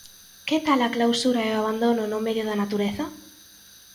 Que tal a clausura e o abandono no medio da natureza?